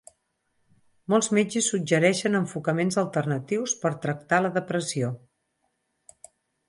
Molts metges suggereixen enfocaments alternatius per tractar la depressió.